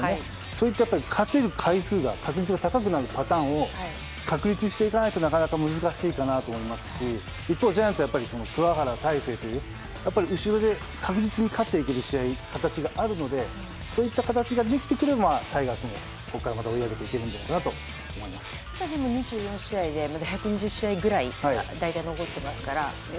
それと勝てる回数が高くなるパターンを確立していかないとなかなか難しいかなと思いますし一方ジャイアンツは鍬原、大勢という後ろで確実に勝っていく試合形があるのでそういった形ができてくればタイガースもここから追い上げていけるんじゃないかとまだ、あと１２０試合くらい残っていますからね。